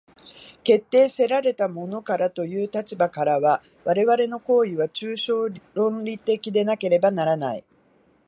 決定せられたものからという立場からは、我々の行為は抽象論理的でなければならない。